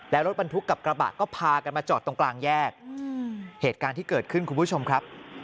แล้วรถบรรทุกกับกระบะก็พากันมาจอดตรงกลางแยกเหตุการณ์ที่เกิดขึ้นคุณผู้ชมครับ